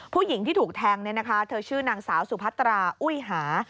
ผู้หญิงที่ถูกแทงเธอชื่อนางสาวสุพัตราอุ้ยหา